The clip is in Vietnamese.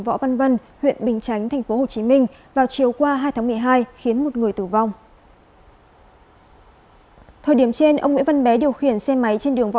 công an huyện bình chánh sau đó có mặt điều tra xử lý hiện trường